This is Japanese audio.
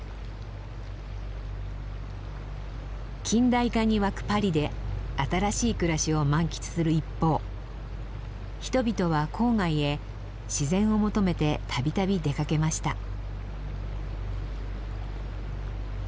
近代化に沸くパリで新しい暮らしを満喫する一方人々は郊外へ自然を求めて度々出かけました。